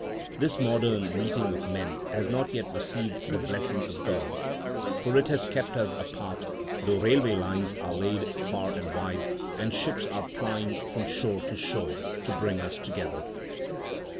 This modern meeting of men has not yet received the blessing of God. For it has kept us apart, though railway lines are laid far and wide, and ships are plying from shore to shore to bring us together.